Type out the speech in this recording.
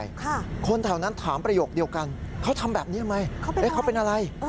ค่ะคนแถวนั้นถามประโยคเดียวกันเขาทำแบบนี้ทำไมเอ๊ะเขาเป็นอะไร